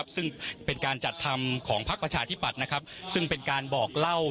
ซึ่งเป็นการจัดทำของพักประชาธิปัตย์ซึ่งเป็นการบอกเล่า